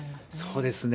そうですね。